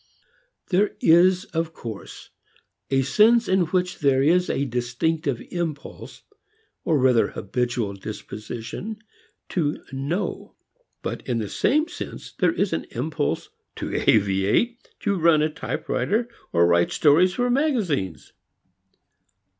There is of course a sense in which there is a distinctive impulse, or rather habitual disposition, to know. But in the same sense there is an impulse to aviate, to run a typewriter or write stories for magazines.